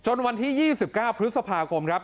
จนวันที่ยี่สิบเก้าพฤษภาคมครับครับ